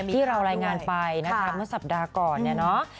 ที่เรารายงานไปนะคะเมื่อสัปดาห์ก่อนเนี่ยเนาะ